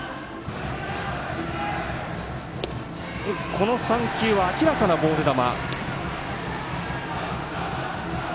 この３球は明らかなボール球。